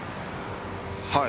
はい。